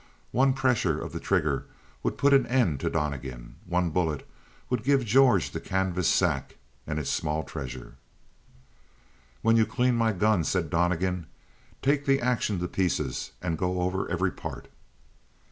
One pressure of the trigger would put an end to Donnegan; one bullet would give George the canvas sack and its small treasure. "When you clean my gun," said Donnegan, "take the action to pieces and go over every part."